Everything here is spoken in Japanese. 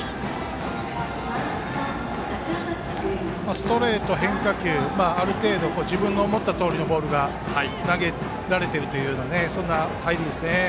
ストレート、変化球ある程度自分の思ったとおりのボールが投げられているという入りですね。